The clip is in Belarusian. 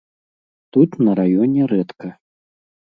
Тут на раёне рэдка.